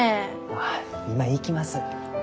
あ今行きます。